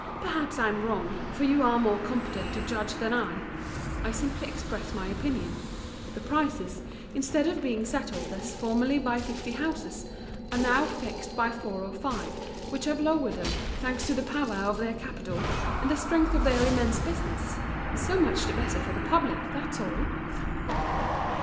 "Perhaps I'm wrong, for you are more competent to judge than I. I simply express my opinion. The prices, instead of being settled as formerly by fifty houses, are now fixed by four or five, which have lowered them, thanks to the power of their capital, and the strength of their immense business. So much the better for the public, that's all!"